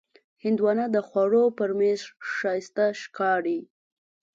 هندوانه د خوړو پر میز ښایسته ښکاري.